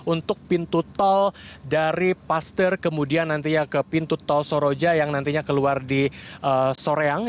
untuk pintu tol dari paster kemudian nantinya ke pintu tol soroja yang nantinya keluar di soreang